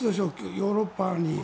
ヨーロッパに。